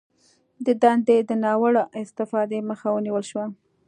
د دندې د ناوړه استفادې مخه ونیول شوه